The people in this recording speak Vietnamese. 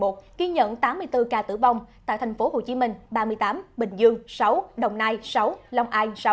ghi nhận tám mươi bốn ca tử vong tại thành phố hồ chí minh ba mươi tám bình dương sáu đồng nai sáu lòng ai sáu